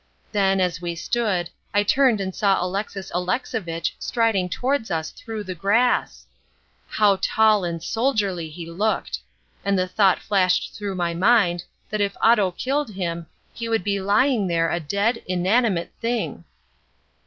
Then, as we stood, I turned and saw Alexis Alexovitch striding towards us through the grass. How tall and soldierly he looked! And the thought flashed through my mind that if Otto killed him he would be lying there a dead, inanimate thing.